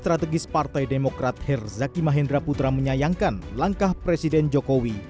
strategis partai demokrat herzaki mahendra putra menyayangkan langkah presiden jokowi